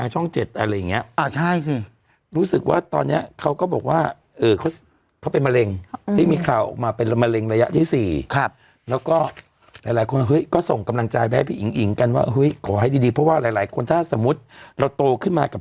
จรสวงการคลังกรอบวงเงิน๓๔๘๐๐ล้านบาทนะครับ